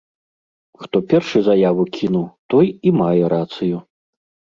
Хто першы заяву кінуў, той і мае рацыю.